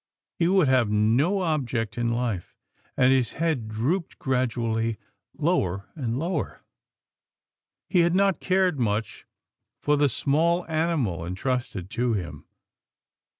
He would have no object in life, and his head drooped gradually lower and lower. He had not cared much for the small animal en trusted to him.